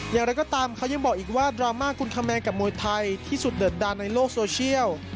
อย่างไรก็ตามเขายังบอกอีกว่าดราม่ากุลคแมนกับมวยไทยที่สุดเดือดดันในโลกโซเชียล